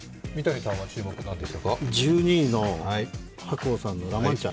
１２位の白鸚さんの「ラマンチャ」。